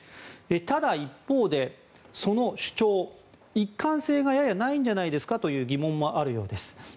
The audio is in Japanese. ただ、一方でその主張、一貫性がややないんじゃないですかという疑問もあるようです。